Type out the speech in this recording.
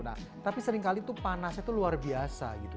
nah tapi seringkali tuh panasnya tuh luar biasa gitu